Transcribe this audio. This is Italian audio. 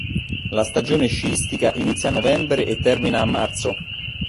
La stagione sciistica inizia a novembre e termina a marzo.